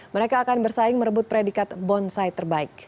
mereka akan bersaing merebut predikat bonsai terbaik